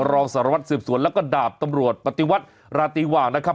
รองสารวัตรสืบสวนแล้วก็ดาบตำรวจปฏิวัตรราติวา